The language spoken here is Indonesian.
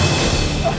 kita turun sekarang